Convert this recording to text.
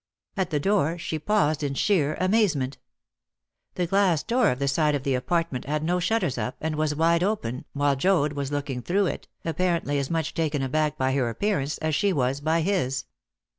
At the door she paused in sheer amazement. The glass door at the side of the apartment had no shutters up, and was wide open, while Joad was looking through it, apparently as much taken aback by her appearance as she was by his.